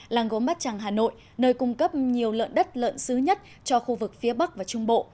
làng gốm bát tràng hà nội nơi cung cấp nhiều lợn đất lợn xứ nhất cho khu vực phía bắc và trung bộ